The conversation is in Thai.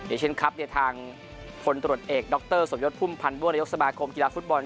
เอเชียนคลับเนี่ยทางพลตรวจเอกดรสมยศพุ่มพันธ์บัวนายกสมาคมกีฬาฟุตบอล